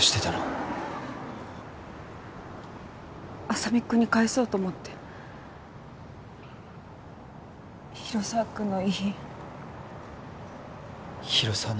浅見君に返そうと思って広沢君の遺品広沢の？